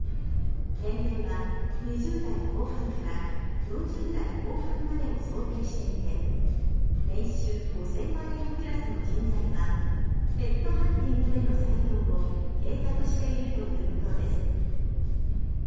年齢は２０代後半から４０代後半までを想定していて年収５０００万円クラスの人材はヘッドハンティングでの採用を計画しているということです。